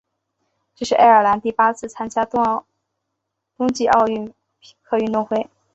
这是爱尔兰第八次参加冬季奥林匹克运动会。